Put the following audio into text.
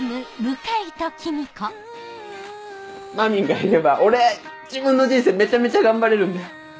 まみんがいれば俺自分の人生めちゃめちゃ頑張れるんだよ。